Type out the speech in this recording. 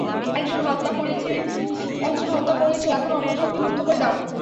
একজনকে হত্যা করেছ, এখন অপরজনকে মুক্ত করে দাও।